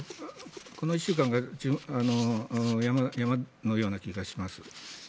この１週間が山場のような気がします。